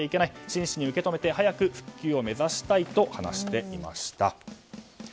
真摯に受け止めて早く復旧を目指したいと話していました。